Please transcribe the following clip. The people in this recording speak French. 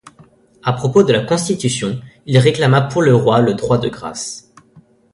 À propos de la Constitution, il réclama pour le roi le droit de grâce.